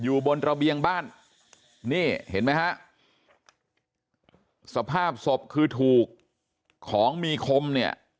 อยู่บนระเบียงบ้านนี่เห็นไหมฮะสภาพศพคือถูกของมีคมเนี่ย